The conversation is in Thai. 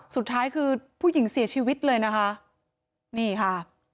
สุดท้ายคือผู้หญิงเสียชีวิตเลยนะคะนี่ค่ะ